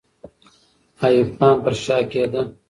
ایوب خان پر شا کېده.